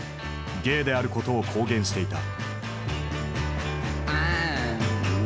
ゲイであることを公言していた。